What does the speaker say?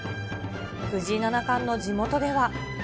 藤井七冠の地元では。